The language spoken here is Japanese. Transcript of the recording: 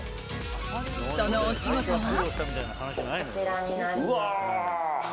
そのお仕事は。